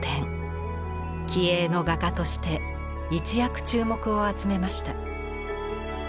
気鋭の画家として一躍注目を集めました。